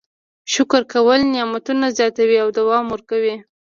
شکر کول نعمتونه زیاتوي او دوام ورکوي.